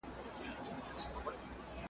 د قفس یې دروازه کړه ورته خلاصه `